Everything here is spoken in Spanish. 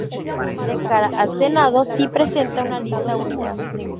De cara al Senado sí presenta una lista única.